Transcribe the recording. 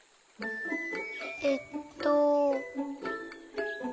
えっと。